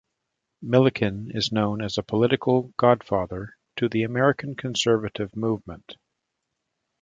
Milliken is known as a political godfather to the American conservative movement.